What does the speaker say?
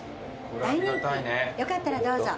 大人気よかったらどうぞ。